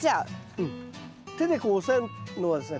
手でこう押さえるのはですね